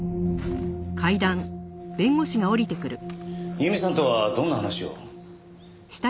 由美さんとはどんな話を？